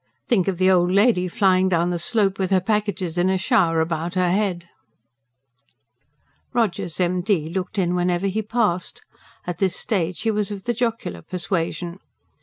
Think of the old lady flying down the slope, with her packages in a shower about her head!" Rogers, M.D., looked in whenever he passed. At this stage he was of the jocular persuasion.